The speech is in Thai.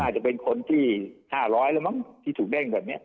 จะเป็นคนที่๕๐๐แล้วมั้งที่ถูกเด้งแบบนี้